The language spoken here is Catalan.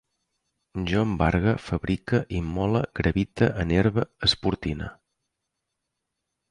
Jo embargue, fabrique, immole, gravite, enerve, esportine